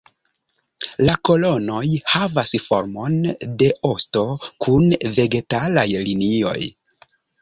La kolonoj havas formon de osto, kun vegetalaj linioj.